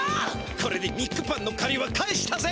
これでニックパンのかりは返したぜ。